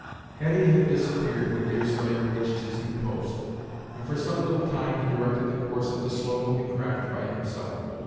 Hetty had disappeared when Deerslayer reached his new post, and for some little time he directed the course of the slow moving craft by himself.